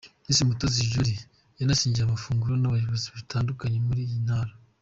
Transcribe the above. Miss Mutesi Jolly yanasangiye amafunguro n'abayobozi batandukanye muri iyi Ntara.